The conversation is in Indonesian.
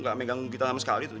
gak megang gitar kamu sekali tuh